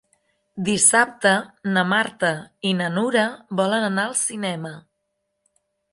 Dissabte na Marta i na Nura volen anar al cinema.